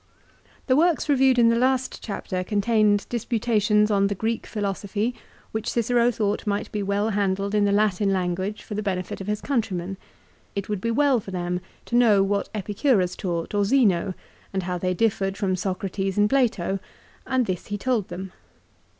The works reviewed in the last chapter contained disputations on the Greek philosophy which Cicero thought might be well handled in the Latin language for the benefit of his countrymen. It would be well for them to know what Epicurus taught or Zeno, and how they differed from Socrates and Plato, and this he told them.